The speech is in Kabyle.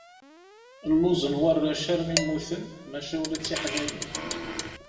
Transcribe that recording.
Lluẓen warrac armi mmuten, maca ula d tiḥdayin.